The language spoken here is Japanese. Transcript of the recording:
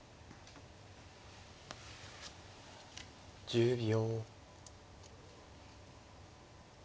１０秒。